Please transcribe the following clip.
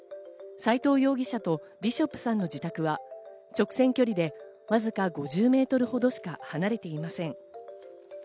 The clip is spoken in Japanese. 斎藤容疑者とビショップさんの自宅は直線距離でわずか５０メートルほどしか離れていません。